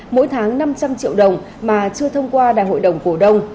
mỗi tháng năm trăm linh triệu đồng mà chưa thông qua đại hội đồng cổ đông